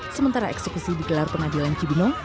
sementara eksekusi dikelar pengadilan cibino